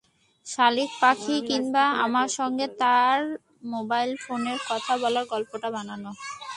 শালিক পাখি কিংবা আমার সঙ্গে তাঁর মোবাইল ফোনের কথা বলার গল্পটা বানানো।